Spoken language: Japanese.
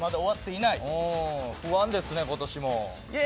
不安ですね、今年も。